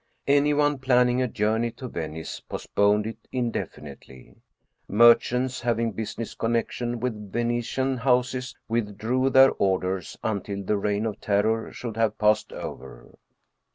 Anyone planning a journey to Venice postponed it indefi nitely. Merchants having business connection with Ve netian houses withdrew their orders until the Reign of Terror should have passed over.